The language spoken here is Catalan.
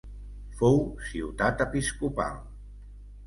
Fou ciutat episcopal.